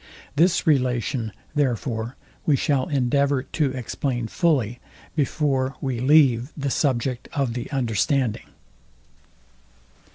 This relation, therefore, we shall endeavour to explain fully before we leave the subject of the understanding.